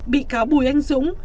bị cáo bùi anh dũng